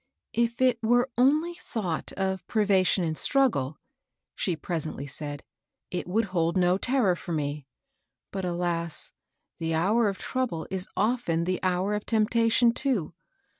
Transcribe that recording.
" If it were only thought of privation and strug gle," she presently s^d, it would hold no terror for me ; .but, alas I the hour of trouble is often the hour of temptation, too.